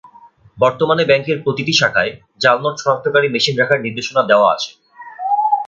বর্তমানে ব্যাংকের প্রতিটি শাখায় জাল নোট শনাক্তকারী মেশিন রাখার নির্দেশনা দেওয়া আছে।